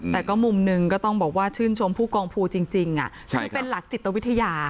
แต่ก็มุมหนึ่งก็ต้องบอกว่าชื่นชมภูกองภูจริงจริงอ่ะใช่ครับที่เป็นหลักจิตวิทยา